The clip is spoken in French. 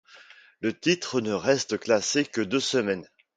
Le titre ne reste classé que deux semaines.